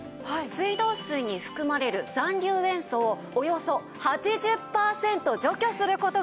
水道水に含まれる残留塩素をおよそ８０パーセント除去する事ができるんです。